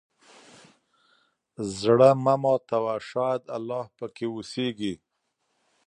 زړه مه ماتوه، شاید الله پکې اوسېږي.